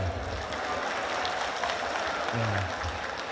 tanpa perempuan hebat dibaliknya